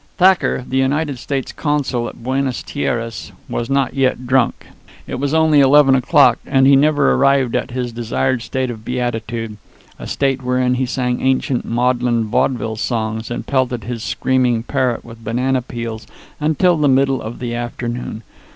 Thacker, the United States consul at Buenas Tierras, was not yet drunk. It was only eleven o'clock; and he never arrived at his desired state of beatitude a state wherein he sang ancient maudlin vaudeville songs and pelted his screaming parrot with banana peels until the middle of the afternoon.